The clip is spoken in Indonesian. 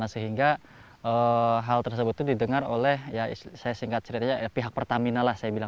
sehingga hal tersebut didengar oleh pihak pertamina